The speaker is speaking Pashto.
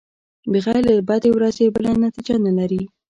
بغیر له بدې ورځې بله نتېجه نلري.